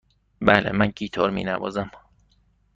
بله، من گیتار می نوازم.